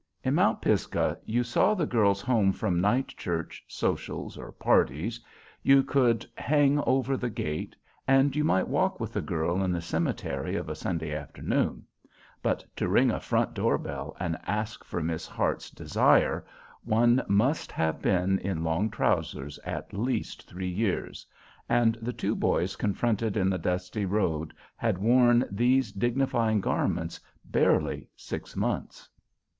In Mount Pisgah you saw the girls home from night church, socials, or parties; you could hang over the gate; and you might walk with a girl in the cemetery of a Sunday afternoon; but to ring a front door bell and ask for Miss Heart's Desire one must have been in long trousers at least three years—and the two boys confronted in the dusty road had worn these dignifying garments barely six months.